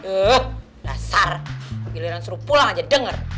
ups dasar giliran suruh pulang aja denger